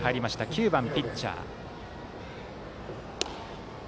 ９番ピッチャー。